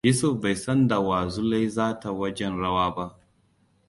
Yusuf bai san da wa Zulai za ta wajen rawa ba.